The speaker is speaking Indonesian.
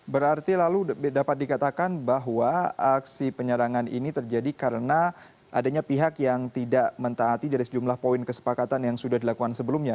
berarti lalu dapat dikatakan bahwa aksi penyerangan ini terjadi karena adanya pihak yang tidak mentaati dari sejumlah poin kesepakatan yang sudah dilakukan sebelumnya